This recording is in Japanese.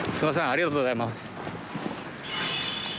ありがとうございます。